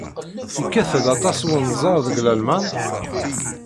Yekkat-d aṭas wenẓar deg Lalman?